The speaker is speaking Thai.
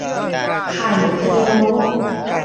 ไข่พะโล้